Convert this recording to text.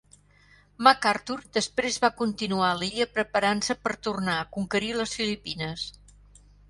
MacArthur després va continuar a l'illa preparant-se per tornar a conquerir les Filipines.